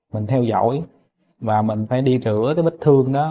mình theo dõi và mình phải đi rửa cái vết thương đó